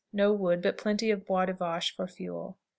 No wood, but plenty of "bois de vache" for fuel.